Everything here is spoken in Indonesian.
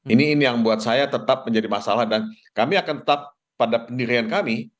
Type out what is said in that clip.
ini yang buat saya tetap menjadi masalah dan kami akan tetap pada pendirian kami